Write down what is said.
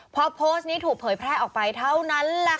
พอโพสต์นี้ถูกเผยแพร่ออกไปเท่านั้นแหละค่ะ